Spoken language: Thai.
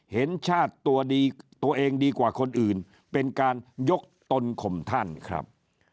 เห็นชาติตัวดีตัวเองดีกว่าคนอื่นเป็นการยกตนข่มท่านครับ